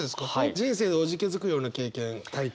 人生でおじけづくような経験体験。